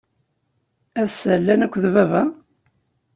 Ass-a, llan akked baba?